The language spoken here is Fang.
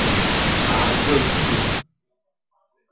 Ake a dulu.